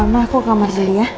ma aku ke kamar sendiri ya